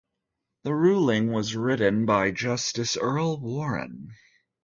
The ruling was written by Justice Earl Warren.